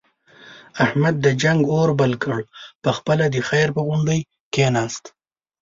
احمد د جنگ اور بل کړ، په خپله د خیر په غونډۍ کېناست.